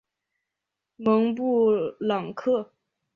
蒙布朗克。